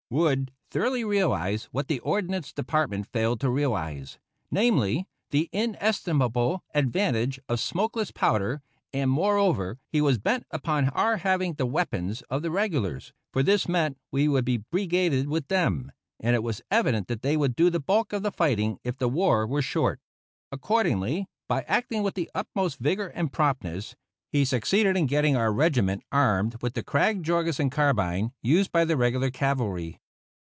Wood thoroughly realized what the Ordnance Department failed to realize, namely, the inestimable advantage of smokeless powder; and, moreover, he was bent upon our having the weapons of the regulars, for this meant that we would be brigaded with them, and it was evident that they would do the bulk of the fighting if the war were short. Accordingly, by acting with the utmost vigor and promptness, he succeeded in getting our regiment armed with the Krag Jorgensen carbine used by the regular cavalry.